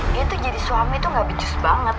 dia tuh jadi suami tuh gak bicus banget